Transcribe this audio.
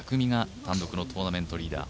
単独のトーナメントリーダー。